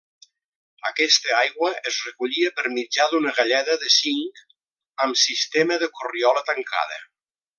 Aquesta aigua es recollia per mitjà d'una galleda de cinc amb sistema de corriola tancada.